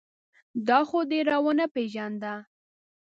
دا خو دې را و نه پېژانده.